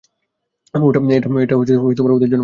এটা ওদের জন্য?